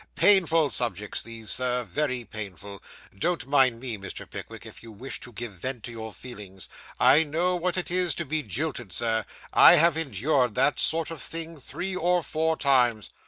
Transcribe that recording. Painful subjects, these, sir, very painful. Don't mind me, Mr. Pickwick, if you wish to give vent to your feelings. I know what it is to be jilted, Sir; I have endured that sort of thing three or four times.